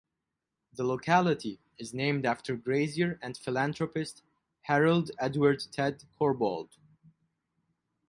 The locality is named after grazier and philanthropist Harold Edward (Ted) Corbould.